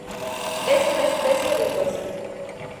Es una especie ruidosa.